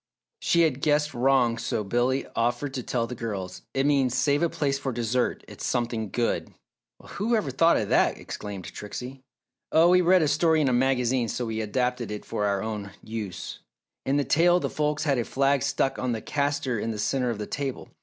She had guessed wrong so Billy offered to tell the girls. "It means, 'Save a place for dessert it's something good!'" "Well, who ever thought of that!" exclaimed Trixie. "Oh, we read a story in a magazine so we adapted it for our own use. In the tale the folks had a flag stuck on the caster in the centre of the table.